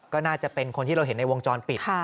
ก็น่าจะเป็นคนที่เราเห็นในวงจรปิด